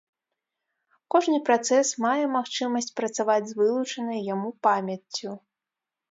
Кожны працэс мае магчымасць працаваць з вылучанай яму памяццю.